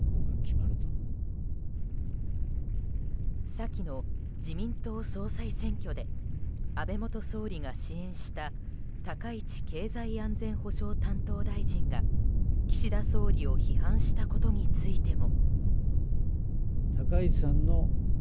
先の自民党総裁選挙で安倍元総理が支援した高市経済安全保障担当大臣が岸田総理を批判したことについても。